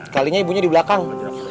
kalinya ibunya di belakang